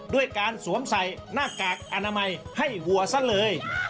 ด้วยการสวมใส่หน้ากากอนามัยให้วัวซะเลย